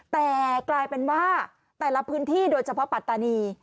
แต่กลายเป็นว่าแต่ละพื้นที่โดยเฉพาะปัตตานี